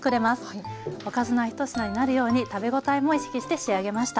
おかずの１品になるように食べ応えも意識して仕上げました。